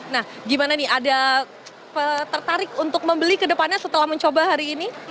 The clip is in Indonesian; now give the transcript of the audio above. nah gimana nih ada tertarik untuk membeli ke depannya setelah mencoba hari ini